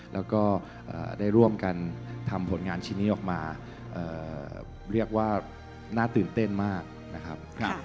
แล้วก็ได้ร่วมกันทำผลงานชิ้นนี้ออกมาเรียกว่าน่าตื่นเต้นมากนะครับ